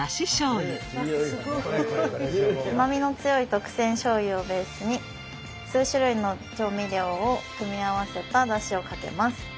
うまみの強い特選しょうゆをベースに数種類の調味料を組み合わせただしをかけます。